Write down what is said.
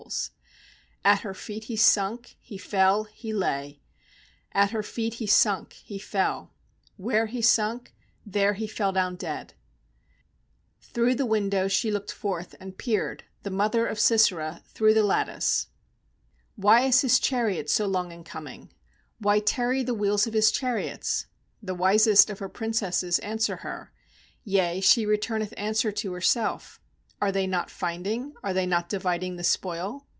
27 JUDGES 27At her feet he sunk, he fell, he lay, At her feet he sunk, he fell; Where he sunk, there he fell down dead 28Through the window she looked forth, and peered, The mother of Sisera, through the lattice: 1 Why is his chariot so long in com ing? Why tarry the wheels of his char iots?' MThe wisest of her princesses answer her, Yea, she returneth answer to herself 3°'Are they not finding, are they not dividing the spoil?